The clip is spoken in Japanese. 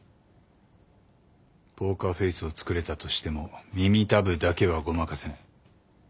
ポーカーフェースをつくれたとしても耳たぶだけはごまかせない。